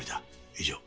以上。